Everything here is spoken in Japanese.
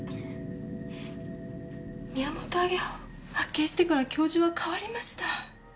ミヤモトアゲハを発見してから教授は変わりました。